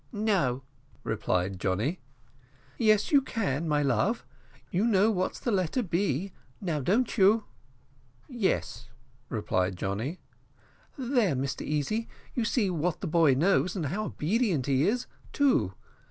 "No," replied Johnny. "Yes, you can, my love; you know what's the letter B. Now don't you?" "Yes," replied Johnny. "There, Mr Easy, you see what the boy knows, and how obedient he is too.